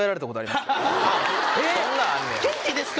そんなんあんねや？